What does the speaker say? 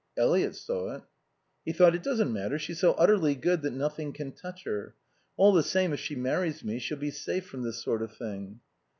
Eliot saw it. He thought: "It doesn't matter. She's so utterly good that nothing can touch her. All the same, if she marries me she'll be safe from this sort of thing."